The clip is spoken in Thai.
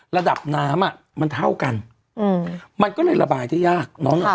ละดับน้ำมันเท่ากันมันก็เลยระบายได้ยาก